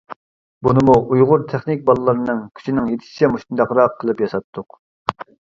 بۇنىمۇ ئۇيغۇر تېخنىك بالىلارنىڭ كۈچىنىڭ يېتىشىچە مۇشۇنداقراق قىلىپ ياساتتۇق.